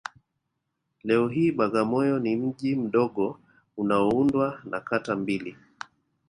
Leo hii Bagamoyo ni mji mdogo unaoundwa na kata mbili